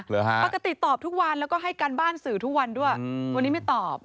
ปกติตอบทุกวันแล้วก็ให้การบ้านสื่อทุกวันด้วยวันนี้ไม่ตอบ